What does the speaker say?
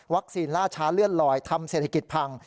ล่าช้าเลื่อนลอยทำเศรษฐกิจพัง